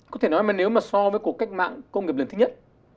có thể nói mà nếu mà so với cuộc cách mạng công nghiệp lần thứ nhất